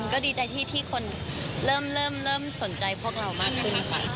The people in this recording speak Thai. ก็ดีใจที่คนเริ่มสนใจพวกเรามากขึ้นค่ะ